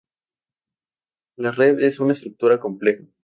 La red es una estructura compleja.